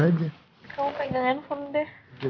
mas masuk ke ruangan aku aja ya